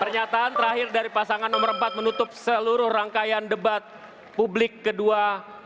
pernyataan terakhir dari pasangan nomor empat menutup seluruh rangkaian debat publik kedua